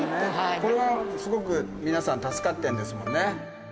これはすごく皆さん、助かってんですもんね。